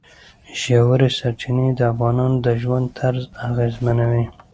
ژورې سرچینې د افغانانو د ژوند طرز اغېزمنوي.